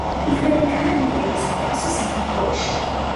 პირველი ქალი ეპისკოპოსი საქართველოში.